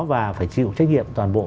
và phải chịu trách nhiệm toàn bộ